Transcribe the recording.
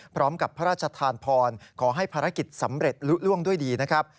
พร้อมกับพระราชทานพรขอให้ภารกิจสำเร็จลุล่วงด้วยดีนะครับ